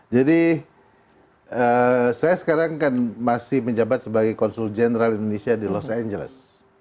jadi saya sekarang kan masih menjabat sebagai konsul jenderal indonesia di los angeles